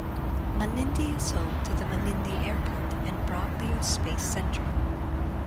Malindi is home to the Malindi Airport and Broglio Space Centre.